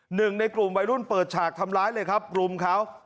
หนึ่งในกลุ่มวัยรุ่นเปิดฉากทำร้ายเลยครับรุมเขา